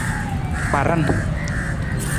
Kparan.